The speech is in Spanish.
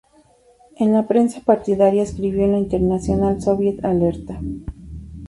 En la prensa partidaria escribió en "La Internacional", "Soviet", "Alerta!